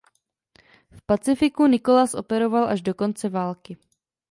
V Pacifiku "Nicolas" operoval až do konce války.